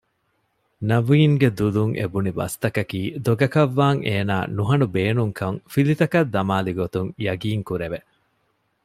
ނަޥީންގެ ދުލުން އެބުނިބަސްތަކަކީ ދޮގަކަށްވާން އޭނާ ނުހަނު ބޭނުންކަން ފިލިތަކަށް ދަމާލިގޮތުން ޔަގީންކުރެވެ